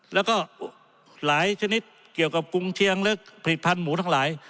แล้วก็หลายชนิดเกี่ยวกับกุงเชียงหรือผลิตภัณฑ์หมูทั้งหลาย